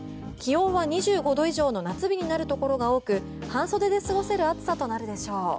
気温は２５度以上の夏日になるところが多く半袖で過ごせる暑さとなるでしょう。